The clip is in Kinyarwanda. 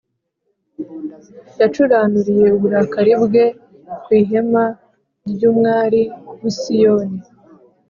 Yacuranuriye uburakari bwe ku ihema ry’umwari w’i Siyoni,